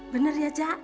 bener ya ja